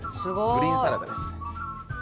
グリーンサラダです。